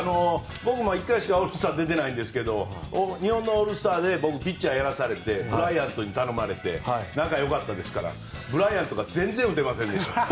僕は１回しかオールスター出てないんですが僕は日本のホームランダービーでピッチャーをやらされてブライアントに頼まれて仲よかったですからブライアントは全然打てませんでした。